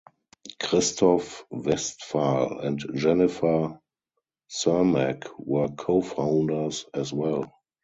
Christoph Westphal and Jennifer Cermak were co-founders as well.